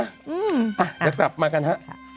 เดี๋ยวกลับมากันฮะ